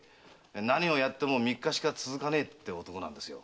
何をやっても三日しか続かねえって男なんですよ。